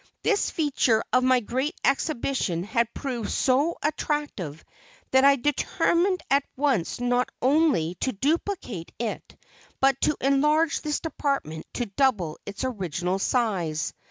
This feature of my great exhibition had proved so attractive that I determined at once not only to duplicate it, but to enlarge this department to double its original size.